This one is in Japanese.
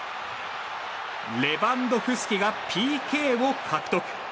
レバンドフスキがＰＫを獲得。